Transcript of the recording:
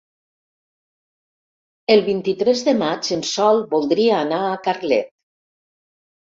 El vint-i-tres de maig en Sol voldria anar a Carlet.